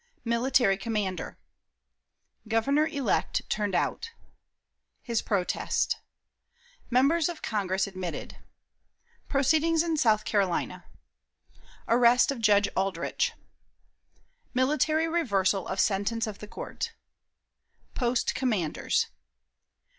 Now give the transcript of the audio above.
Military Commander. Governor elect turned out. His Protest. Members of Congress admitted. Proceedings in South Carolina. Arrest of Judge Aldrich. Military Reversal of Sentence of the Court. Post Commanders.